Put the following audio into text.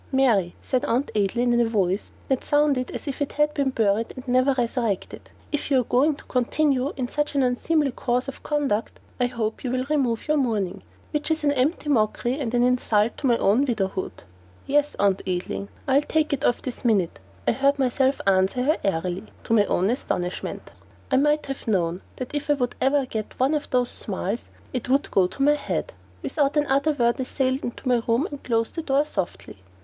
"Mary," said Aunt Adeline in a voice that sounded as if it had been buried and never resurrected, "if you are going to continue in such an unseemly course of conduct I hope you will remove your mourning, which is an empty mockery and an insult to my own widowhood." "Yes, Aunt Adeline, I'll go take it off this very minute," I heard myself answer her airily, to my own astonishment. I might have known that if I ever got one of those smiles it would go to my head! Without another word I sailed into my room and closed the door softly.